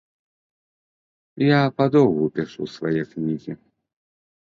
Я падоўгу пішу свае кнігі.